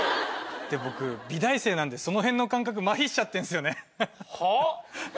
でも僕美大生なんでその辺の感覚まひしちゃってんすよね。はあ？